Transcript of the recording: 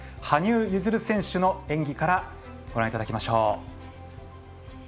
羽生結弦選手の演技からご覧いただきましょう。